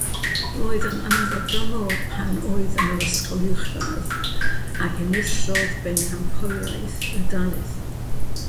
Roedd yn ymgodymwr pan oedd yn yr ysgol uwchradd ac enillodd bencampwriaeth y dalaith.